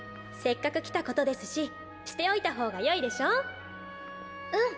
せっかく来たことですししておいた方がよいでしょう？